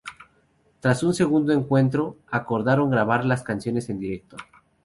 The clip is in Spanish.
Tras un segundo encuentro, acordaron grabar las canciones en directo.